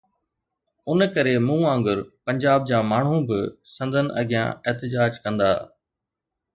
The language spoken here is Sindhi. ان ڪري مون وانگر پنجاب جا ماڻهو به سندن اڳيان احتجاج ڪندا.